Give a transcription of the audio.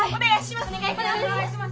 お願いします！